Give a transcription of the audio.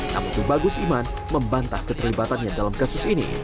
namun tubagus iman membantah keterlibatannya dalam kasus ini